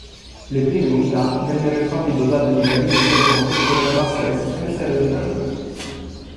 Le prime unità vennero infatti dotate di cabine sagomate per una bassa resistenza aerodinamica.